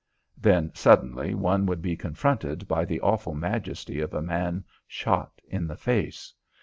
Then suddenly one would be confronted by the awful majesty of a man shot in the face.